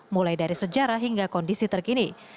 mulai dari sejarah hingga kondisi terkini